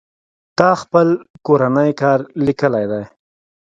تا خپل کورنۍ کار ليکلى دئ.